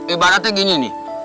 ibaratnya gini nih